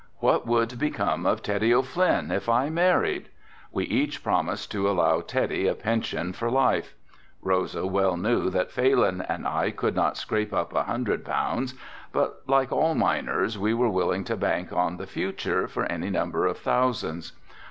"What would become of Teddy O'Flynn if I married?" We each promised to allow Teddy a pension for life. Rosa well knew that Phalin and I could not scrape up a hundred pounds, but like all miners, we were willing to bank on the future for any number of thousands.